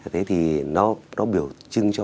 thế thì nó biểu trưng cho